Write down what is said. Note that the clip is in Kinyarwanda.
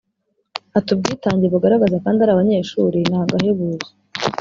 Ati” Ubwitange bagaragaza kandi ari abanyeshuri ni agahebuzo